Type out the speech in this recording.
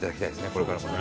これからもね。